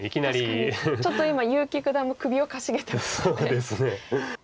確かにちょっと今結城九段も首をかしげてますよね。